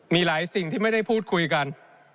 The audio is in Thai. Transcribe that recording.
มีหลายสิ่งที่ไม่ได้พูดคุยกัน